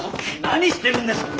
何してるんですか！